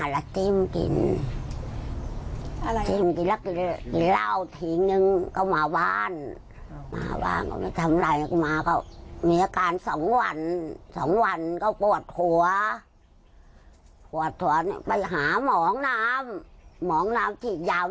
โรงพยาบาลชนาธิ์ไปถึงก็ส่องกล้องเพราะส่องกล้องเสร็จเขาไม่ให้กลับเลยให้นอนเตียง